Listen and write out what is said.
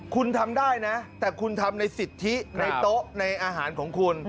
คุณทำได้นะแต่คุณทำในสิทธิในโต๊ะในอาหารของคุณ